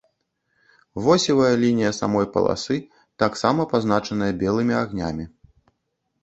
Восевая лінія самой паласы таксама пазначаная белымі агнямі.